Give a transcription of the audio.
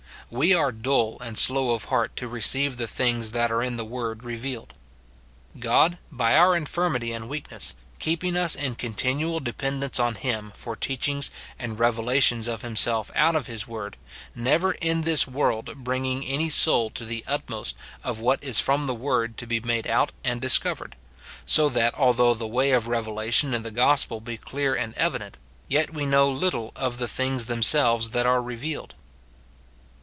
We are dull and slow of heart to receive the things that are in the word revealed ; God, by our in firmity and weakness, keeping us in continual dependence on him for teachings and revelations of himself out of his word, never in this world bringing any soul to the utmost of what is from the word to be made out and dis covered : so that although the way of revelation in the gospel be clear and evident, yet we know little of the things themselves that are revealed.